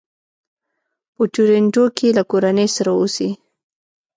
په ټورنټو کې له کورنۍ سره اوسي.